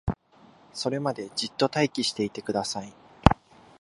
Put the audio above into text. それまでじっと待機していてください